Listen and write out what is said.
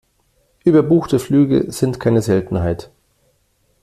Überbuchte Flüge sind keine Seltenheit.